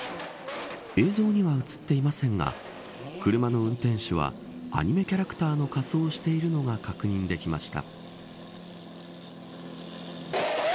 映像には映っていませんが車の運転手はアニメキャラクターの仮装をしているのが確認できました。